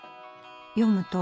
読むと？